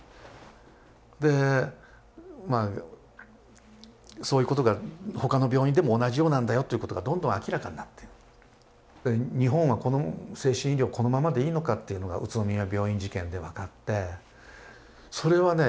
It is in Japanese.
でまあそういうことが他の病院でも同じようなんだよっていうことがどんどん明らかになって日本は精神医療このままでいいのかっていうのが宇都宮病院事件で分かってそれはね